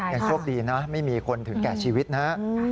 ยังโชคดีนะไม่มีคนถึงแก่ชีวิตนะฮะ